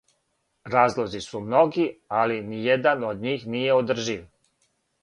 Разлози су многи, али ниједан од њих није одржив.